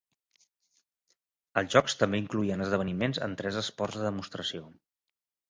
Els jocs també incloïen esdeveniments en tres esports de demostració.